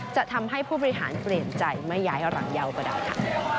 จะทำให้ผู้บริหารเปลี่ยนใจไม่ย้ายหลังเยาก็ได้ค่ะ